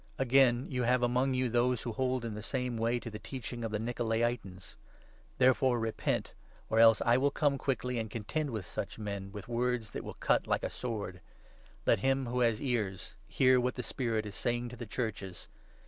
Again you have among you those who hold in the same 15 way to the Teaching of the Nikolai'tans. Therefore repent, or 16 else, I will come quickly and contend with such men with words that will cut like a sword. Let him who has 17 ears hear what the Spirit is saying to the Churches.